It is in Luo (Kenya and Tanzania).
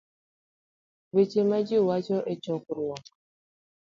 weche ma ji wacho e chokruok